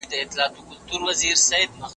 افغانستان کېدای شي په زعفرانو اباد شي.